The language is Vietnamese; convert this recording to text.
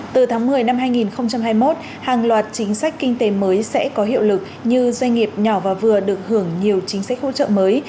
từ tháng một mươi năm hai nghìn hai mươi một hàng loạt chính sách kinh tế mới sẽ có hiệu lực như doanh nghiệp nhỏ và vừa được hưởng nhiều chính sách hỗ trợ mới